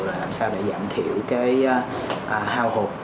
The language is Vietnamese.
làm sao để giảm thiểu cái hao hụt